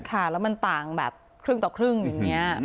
ค่ะแล้วมันต่างแบบครึ่งต่อครึ่งอย่างนี้